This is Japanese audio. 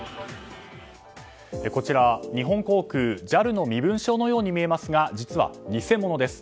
こちら、日本航空・ＪＡＬの身分証のように見えますが実は偽物です。